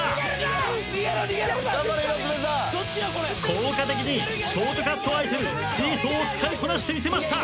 効果的にショートカットアイテムシーソーを使いこなしてみせました。